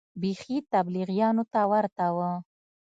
بيخي تبليغيانو ته ورته و.